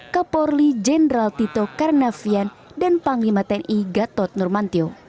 kapolri jenderal tito karnavian dan panglima tni gatot nurmantio